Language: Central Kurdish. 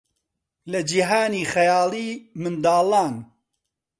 لە جیهانی خەیاڵیی منداڵان